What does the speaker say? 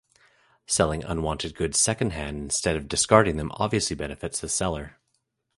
Selling unwanted goods secondhand instead of discarding them obviously benefits the seller.